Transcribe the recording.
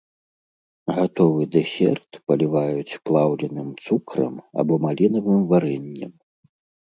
Гатовы дэсерт паліваюць плаўленым цукрам або малінавым варэннем.